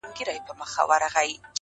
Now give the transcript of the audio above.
زما د نیکه ستا د ابا دا نازولی وطن!!